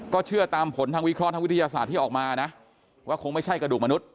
เชื่อตามผลทางวิเคราะห์ทางวิทยาศาสตร์ที่ออกมานะว่าคงไม่ใช่กระดูกมนุษย